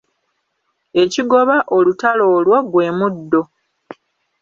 Ekigoba olutalo olwo gwe muddo.